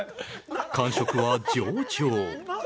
感触は上々。